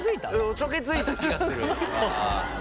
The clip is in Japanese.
おちょけづいた気がする。